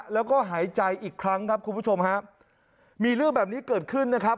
แล้วก็หายใจอีกครั้งครับคุณผู้ชมครับมีเรื่องแบบนี้เกิดขึ้นนะครับ